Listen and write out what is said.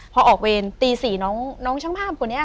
พอออกเวรตี๔น้องช่างภาพคนนี้